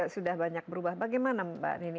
sudah banyak berubah bagaimana mbak nini